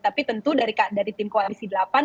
stapi tentu dari tim koalisi delapan kami sudah tepati